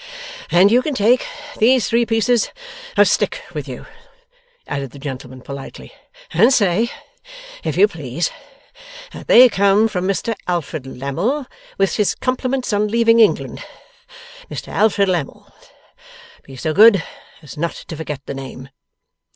And you can take these three pieces of stick with you,' added the gentleman politely, 'and say, if you please, that they come from Mr Alfred Lammle, with his compliments on leaving England. Mr Alfred Lammle. Be so good as not to forget the name.